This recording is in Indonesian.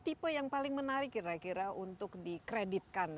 tipe yang paling menarik kira kira untuk dikreditkan